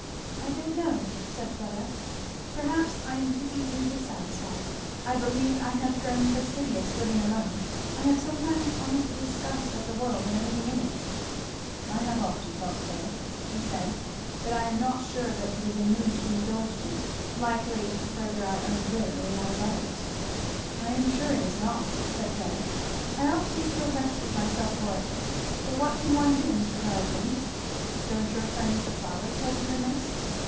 "I don't know," said Fleda, "perhaps I am too easily dissatisfied I believe I have grown fastidious living alone I have sometimes almost a disgust at the world and everything in it." "I have often felt so," he said; "but I am not sure that it is a mood to be indulged in likely to further our own good or that of others." "I am sure it is not," said Fleda; "I often feel vexed with myself for it; but what can one do, Mr. Carleton?" "Don't your friends the flowers help you in this?"